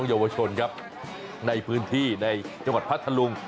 เยาวชนครับในพื้นที่ในจังหวัดพัทธลุง